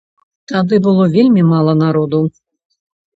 Тады было вельмі мала народу.